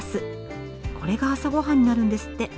これが朝ごはんになるんですって。